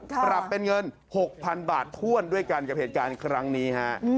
ปรับเป็นเงิน๖๐๐๐บาทถ้วนด้วยกันกับเหตุการณ์ครั้งนี้ฮะ